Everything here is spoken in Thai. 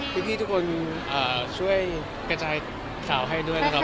พี่ทุกคนช่วยกระจายข่าวให้ด้วยนะครับ